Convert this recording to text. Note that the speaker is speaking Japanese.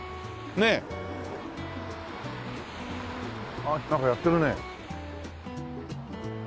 あっなんかやってるね。